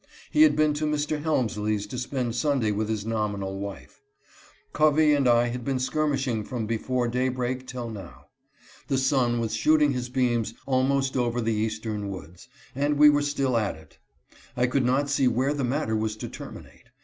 He had been to Mr. Helmsley's to spend Sunday with his nomi nal wife. Covey and I had been skirmishing from before daybreak till now. The sun was shooting his beams almost over the eastern woods, and we were still at it. I could not see where the matter was to terminate.